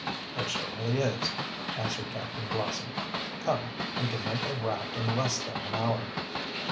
"There certainly is," answered Captain Blossom. "Come, we can make a raft in less than an hour."